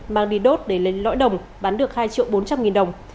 mang đi đốt để lên lõi đồng bán được hai triệu bốn trăm linh nghìn đồng